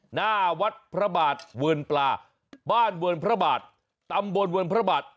หน้าวัดพระบาทเวิร์นปลาบ้านเวิร์นพระบาทตำบลเวิร์นพระบาท